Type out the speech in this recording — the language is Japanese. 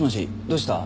どうした？